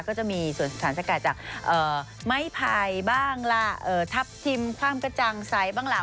ก็จะมีส่วนสารสกัดจากไม้ไผ่บ้างล่ะทับทิมความกระจังใสบ้างล่ะ